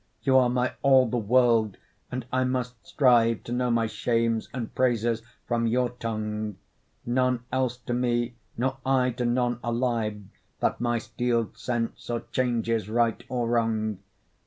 You are my all the world, and I must strive To know my shames and praises from your tongue; None else to me, nor I to none alive, That my steel'd sense or changes right or wrong.